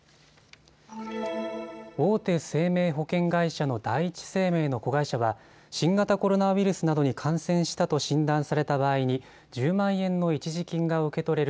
大手生命保険会社の第一生命の子会社は新型コロナウイルスなどに感染したと診断された場合に１０万円の一時金が受け取れる